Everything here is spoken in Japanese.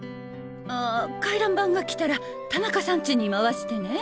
あ回覧板が来たら田中さん家にまわしてね。